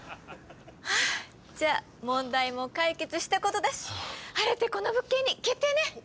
じゃあ問題も解決したことだし晴れてこの物件に決定ね！